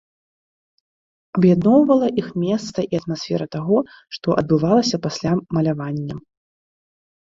Аб'ядноўвала іх месца і атмасфера таго, што адбывалася пасля малявання.